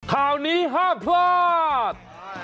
ข่าวนี้ห้ามพลาด